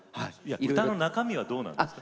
歌の中身はどうなんですか。